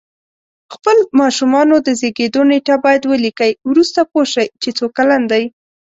خپل ماشومانو د زیږېدو نېټه باید ولیکئ وروسته پوه شی چې څو کلن دی